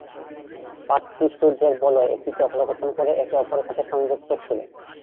পাঁচটি সূর্যের বলয় একটি চক্র গঠন করে একে অপরের সাথে সংযুক্ত ছিল।